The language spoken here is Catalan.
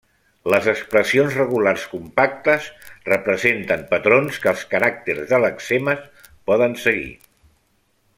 Les expressions regulars compactes representen patrons que els caràcters de lexemes poden seguir.